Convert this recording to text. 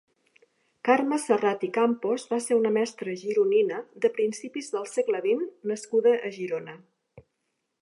Carme Serrat i Campos va ser una mestra gironina de principis del segle vint nascuda a Girona.